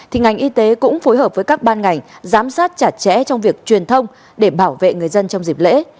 thì ngành y tế cũng phối hợp với các ban ngành giám sát chặt chẽ trong việc truyền thông để bảo vệ người dân trong dịp lễ